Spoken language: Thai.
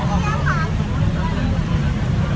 สวัสดีค่ะ